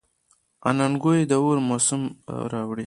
اننګو یې د اور موسم راوړی.